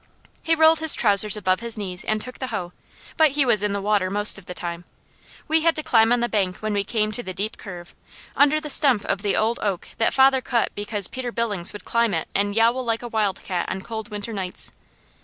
He rolled his trousers above his knees and took the hoe, but he was in the water most of the time. We had to climb on the bank when we came to the deep curve, under the stump of the old oak that father cut because Pete Billings would climb it and yowl like a wildcat on cold winter nights.